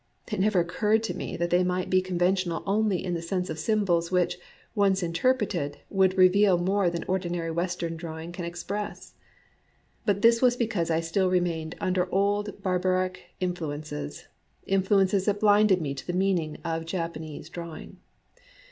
It never occurred to me that they might be conventional only in the sense of symbols which, once interpreted, would reveal more than ordinary Western drawing can ex press. But this was because I still remained under old barbaric influences, — influences that blinded me to the meaning of Japanese drawing.